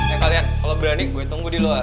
eh kalian kalau berani gue tunggu di luar